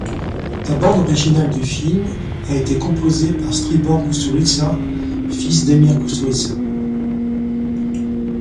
La bande-originale du film a été composé par Stribor Kusturica, fils d'Emir Kusturica.